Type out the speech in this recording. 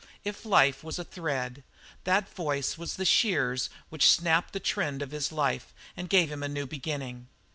If life was a thread, that voice was the shears which snapped the trend of his life and gave him a new beginning.